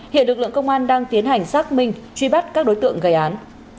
hiện lực lượng công an đang tiến hành xác minh truy bắt các đối tượng gây án